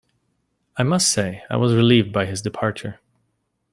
I must say I was relieved by his departure.